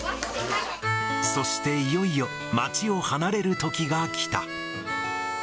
そしていよいよ、町を離れるときがきた。